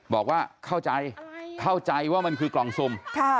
บอกว่าเข้าใจว่ามันคือกล่องสุม